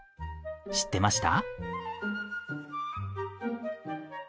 知ってました？